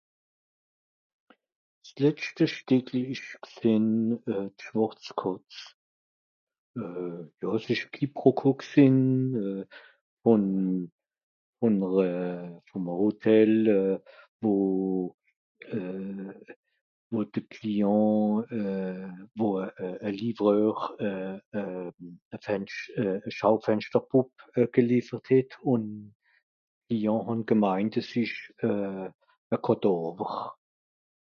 s'letscht g'stìckel esch g'sìn d'Schàrz Kàtz euh jà s'esch quiproquo g'sìn euh ùn ùn euh ìm à Hotel wo euh wo de Client euh wo euh a Livreur euh euh a Fensch à Schaufenschterpùp geliefert het ùn die jen han gemeint àss esch euh càdàvre